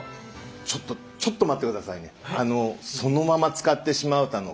ちょっとちょっと待ってくださいね。